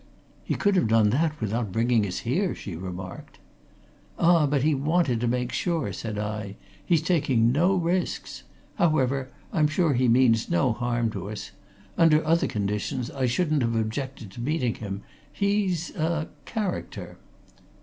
"He could have done that without bringing us here," she remarked. "Ah, but he wanted to make sure!" said I. "He's taking no risks. However, I'm sure he means no harm to us. Under other conditions, I shouldn't have objected to meeting him. He's a character."